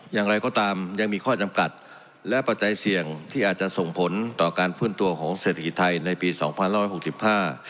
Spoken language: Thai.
อย่างไรก็ตามยังมีข้อจำกัดและปัจจัยเสี่ยงที่อาจจะส่งผลต่อการฟื้นตัวของเศรษฐกิจไทยในปีสองพันร้อยหกสิบห้า